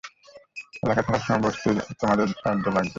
এলাকা ছাড়ার সময় বসতির তোমাদের সাহায্য লাগবে।